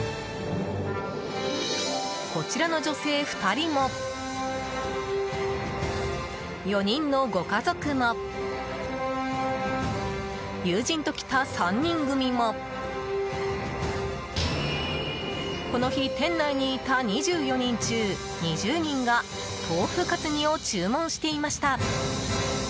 こちらの女性２人も４人のご家族も友人と来た３人組もこの日、店内にいた２４人中２０人が豆腐かつ煮を注文していました。